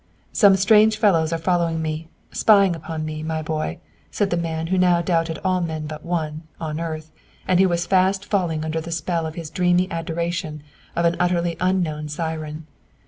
"Some strange fellows are following me, spying upon me, my boy," said the man who now doubted all men but one, on earth, and who was fast falling under the spell of his dreamy adoration of an utterly unknown siren.